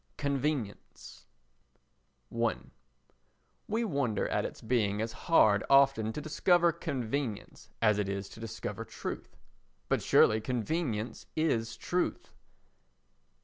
Convenience i We wonder at its being as hard often to discover convenience as it is to discover truth. But surely convenience is truth.